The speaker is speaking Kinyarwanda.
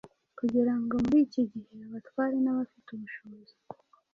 kugira ngo muri iki gihe abatware n’abafite ubushobozi